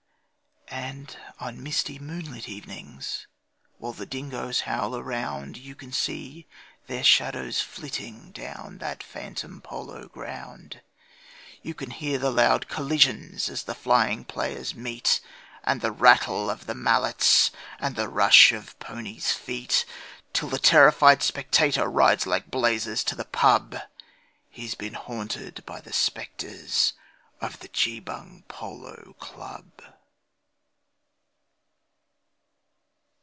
And on misty moonlit evenings, while the dingoes howl around, You can see their shadows flitting down that phantom polo ground; You can hear the loud collisions as the flying players meet, And the rattle of the mallets, and the rush of ponies' feet, Till the terrified spectator rides like blazes to the pub He's been haunted by the spectres of the Geebung Polo Club.